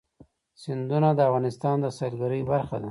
سیندونه د افغانستان د سیلګرۍ برخه ده.